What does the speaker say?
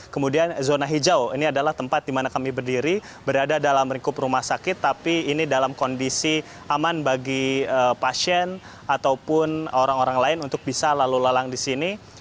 kemudian zona hijau ini adalah tempat di mana kami berdiri berada dalam lingkup rumah sakit tapi ini dalam kondisi aman bagi pasien ataupun orang orang lain untuk bisa lalu lalang di sini